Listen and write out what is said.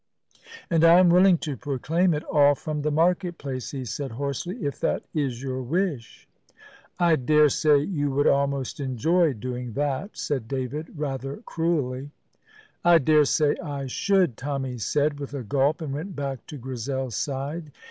"And I am willing to proclaim it all from the market place," he said hoarsely, "if that is your wish." "I daresay you would almost enjoy doing that," said David, rather cruelly. "I daresay I should," Tommy said, with a gulp, and went back to Grizel's side.